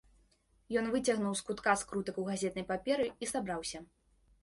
Ён выцягнуў з кутка скрутак у газетнай паперы і сабраўся.